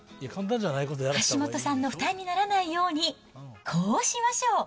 橋本さんの負担にならないように、こうしましょう。